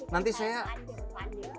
nanti saya panjer